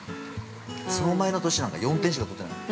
その前の年なんか４点しか取ってないの。